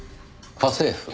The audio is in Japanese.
家政婦。